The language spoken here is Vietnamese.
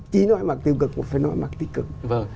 chỉ nói mặt tiêu cực mà phải nói mặt tích cực